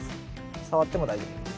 触っても大丈夫です。